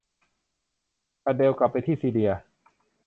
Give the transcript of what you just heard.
อเดลล์กลับไปที่ซีเรีย